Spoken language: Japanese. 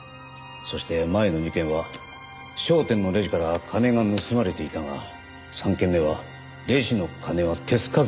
そして前の２件は商店のレジから金が盗まれていたが３件目はレジの金は手つかずで残っていた。